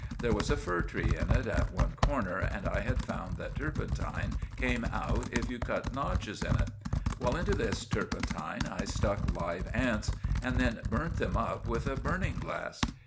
There was a fir tree in it at one corner, and I had found that turpentine came out if you cut notches in it. Well, into this turpentine I stuck live ants and then burnt them up with a burning glass.